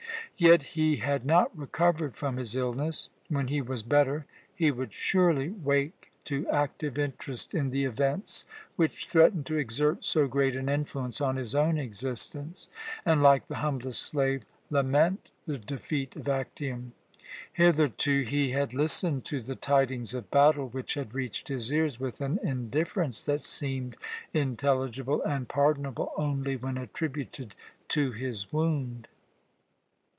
Yet he had not recovered from his illness. When he was better he would surely wake to active interest in the events which threatened to exert so great an influence on his own existence and, like the humblest slave, lament the defeat of Actium. Hitherto he had listened to the tidings of battle which had reached his ears with an indifference that seemed intelligible and pardonable only when attributed to his wound.